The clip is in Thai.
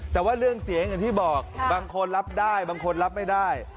แต่ว่าเรื่องเสียงอย่างที่บอกบางคนรับได้บางคนรับไม่ได้